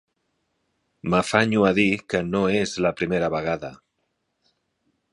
M'afanyo a dir que no és la primera vegada.